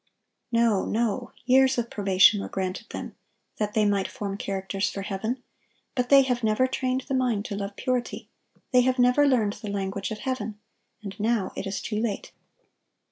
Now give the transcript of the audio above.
No, no; years of probation were granted them, that they might form characters for heaven; but they have never trained the mind to love purity; they have never learned the language of heaven, and now it is too late.